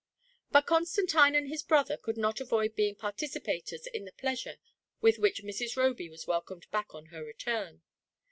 But Constantine and his brother could not avoid being participators in the pleasure with which Mrs. Roby was welcomed back on her return.